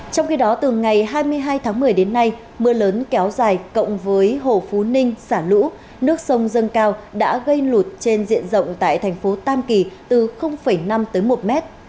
trong khi đó từ ngày hai mươi hai tháng một mươi đến nay mưa lớn kéo dài cộng với hồ phú ninh xả lũ nước sông dâng cao đã gây lụt trên diện rộng tại thành phố tam kỳ từ năm tới một mét